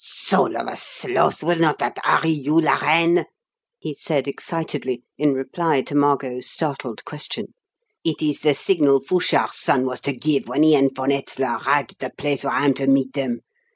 "Soul of a sloth! Will not that hurry you, la reine?" he said excitedly, in reply to Margot's startled question. "It is the signal Fouchard's son was to give when he and von Hetzler arrived at the place where I am to meet them.